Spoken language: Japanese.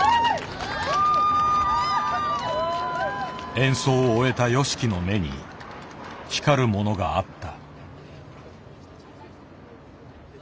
演奏を終えたＹＯＳＨＩＫＩの目に光るものがあった。